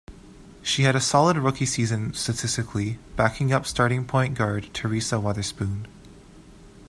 She had a solid rookie season statistically, backing up starting point guard Teresa Weatherspoon.